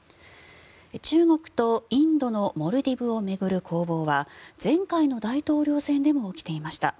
中国とインドのモルディブを巡る攻防は前回の大統領選でも起きていました。